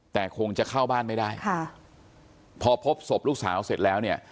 แต่คงจะเข้าบ้านไม่ได้ค่ะพอพบศพลูกสาวเสร็จแล้วเนี่ย